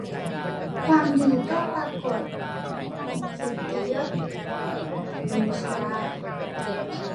ความดีก็ปรากฎ กฤติยศฤๅชา